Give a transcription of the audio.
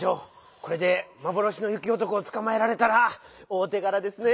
これでまぼろしのゆきおとこをつかまえられたら大てがらですね！